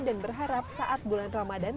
dan berharap saat bulan ramadan